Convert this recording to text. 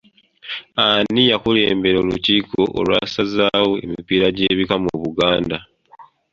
Ani yakulembera olukiiko olwazzaawo emipiira gy’ebika mu Buganda?